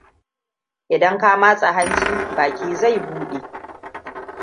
Idan ka matsa hanci baki zai buɗe.